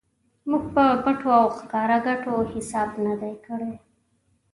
موږ په پټو او ښکاره ګټو حساب نه دی کړی.